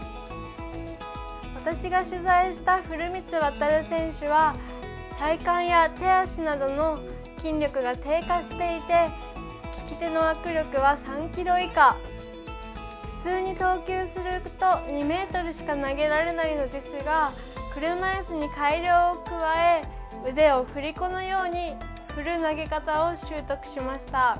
私が取材した古満渉選手は体幹や手足などの筋力が低下していて利き手の握力は３キロ以下普通に投球すると２ｍしか投げられないのですが車いすに改良を加え腕を振り子のように振る投げ方を習得しました。